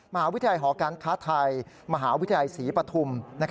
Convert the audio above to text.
มหาวิทยาลัยหอการค้าไทยมหาวิทยาลัยศรีปฐุม